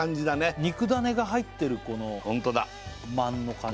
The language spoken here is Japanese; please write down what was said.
肉種が入ってるこのまんの感じ